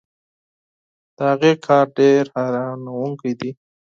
د هغې کار ډېر حیرانوونکی دی.